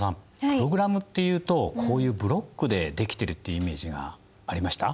プログラムっていうとこういうブロックで出来てるってイメージがありました？